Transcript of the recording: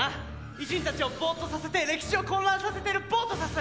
偉人たちをボーっとさせて歴史を混乱させてるボートサス！